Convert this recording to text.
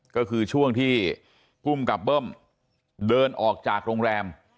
ก็คือช่วงที่ภูมิกับเบิ้มเดินออกจากโรงแรม